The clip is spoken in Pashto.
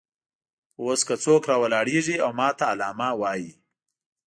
اوس که څوک راولاړېږي او ماته علامه وایي.